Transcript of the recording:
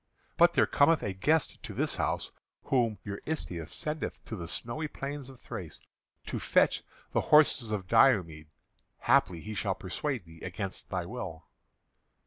But there cometh a guest to this house, whom Eurystheus sendeth to the snowy plains of Thrace, to fetch the horses of Diomed. Haply he shall persuade thee against thy will."